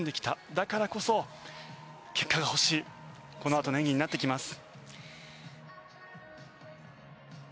だからこそ、結果が欲しいこのあとの演技になってきます。